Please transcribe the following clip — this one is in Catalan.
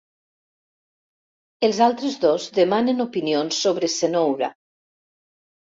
Els altres dos demanen opinions sobre Cenoura.